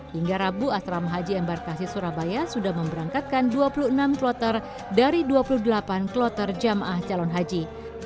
hingga rabu asrama haji embarkasi surabaya sudah memberangkatkan dua puluh enam kloter dari dua puluh delapan kloter jamaah calon haji